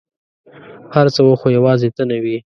هر څه وه ، خو یوازي ته نه وې !